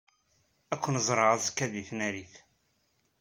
Ad ken-ẓreɣ azekka deg tnarit.